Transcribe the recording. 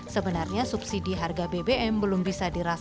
sebenarnya subsidi harga bbm belum bisa dirasakan